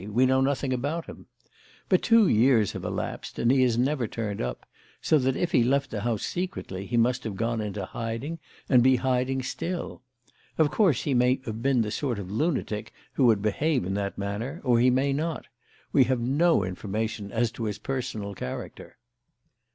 We know nothing about him. But two years have elapsed and he has never turned up, so that if he left the house secretly he must have gone into hiding and be hiding still. Of course, he may have been the sort of lunatic who would behave in that manner or he may not. We have no information as to his personal character.